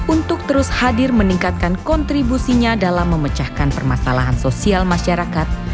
untuk terus hadir meningkatkan kontribusinya dalam memecahkan permasalahan sosial masyarakat